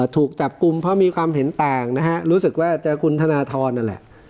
ถูกจับกลุ่มเพราะมีความเห็นต่างนะฮะรู้สึกว่าเจอคุณธนทรนั่นแหละ